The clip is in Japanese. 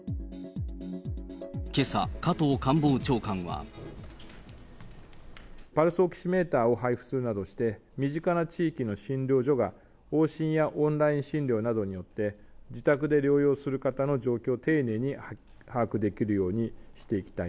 けさ、加藤官房長官は。パルスオキシメーターを配布するなどして、身近な地域の診療所が往診やオンライン診療などによって自宅での療養する方の状況を丁寧に把握できるようにしていきたい。